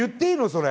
それ。